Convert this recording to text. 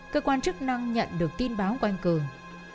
cơ quan chức năng nhận được tin báo của anh cường